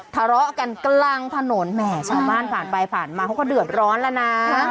ทะเลาะกันกลางถนนแหมชาวบ้านผ่านไปผ่านมาเขาก็เดือดร้อนแล้วนะ